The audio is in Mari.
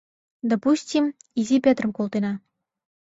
Допустим, Изи Петрым колтена.